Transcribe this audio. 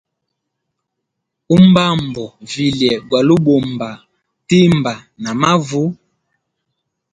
Umbambo vilye gwali ubamba timba na mavu.